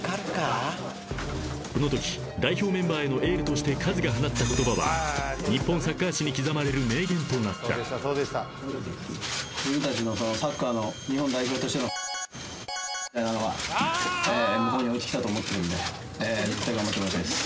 ［このとき代表メンバーへのエールとしてカズが放った言葉は日本サッカー史に刻まれる名言となった］頑張ってもらいたいです。